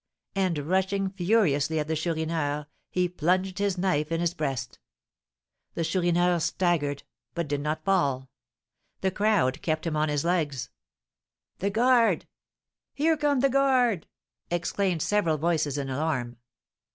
and rushing furiously at the Chourineur, he plunged his knife in his breast. The Chourineur staggered, but did not fall. The crowd kept him on his legs. "The guard! Here come the guard!" exclaimed several voices in alarm.